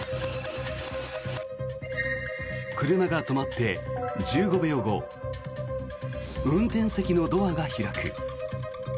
車が止まって１５秒後運転席のドアが開く。